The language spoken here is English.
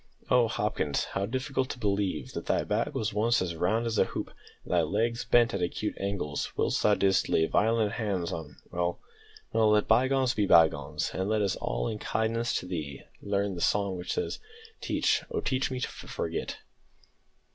Oh! Hopkins, how difficult to believe that thy back was once as round as a hoop, and thy legs bent at acute angles whilst thou didst lay violent hands on well, well; let bygones be bygones, and let us all, in kindness to thee, learn the song which says "Teach, O teach me to forget."